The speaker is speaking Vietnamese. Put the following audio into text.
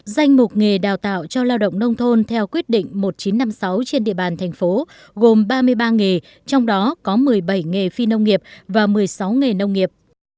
danh mục nghề đào tạo cho lao động nông thôn theo quyết định một nghìn chín trăm năm mươi sáu trên địa bàn thành phố gồm ba mươi ba nghề trong đó có một mươi bảy nghề phi nông nghiệp và một mươi sáu nghề nông nghiệp